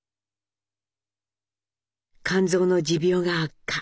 肝臓の持病が悪化。